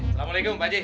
assalamualaikum bu haji